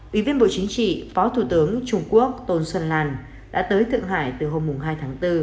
ủy viên bộ chính trị phó thủ tướng trung quốc tôn xuân lan đã tới thượng hải từ hôm hai tháng bốn